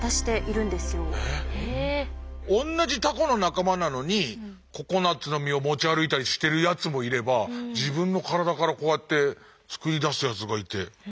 同じタコの仲間なのにココナッツの実を持ち歩いたりしてるやつもいれば自分の体からこうやって作り出すやつがいて。